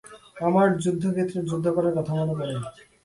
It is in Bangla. আমার যুদ্ধক্ষেত্রের যুদ্ধ করার কথা মনে পড়ে।